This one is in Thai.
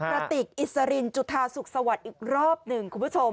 กระติกอิสรินจุธาสุขสวัสดิ์อีกรอบหนึ่งคุณผู้ชม